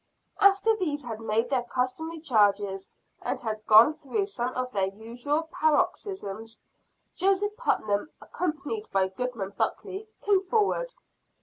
After these had made their customary charges, and had gone through some of their usual paroxysms, Joseph Putnam, accompanied by Goodman Buckley, came forward.